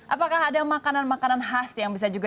apakah ada makanan makanan khas yang bisa juga